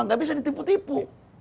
nggak bisa ditipu tipu